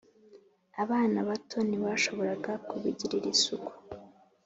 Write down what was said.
abana bato ntibashoboraga kubigirira isuku.